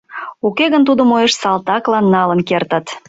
Уке гын, тудым уэш салтаклан налын кертыт.